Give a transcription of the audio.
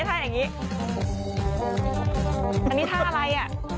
มันเป็นท่าไร